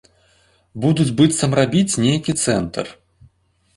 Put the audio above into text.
Будуць быццам рабіць нейкі цэнтр.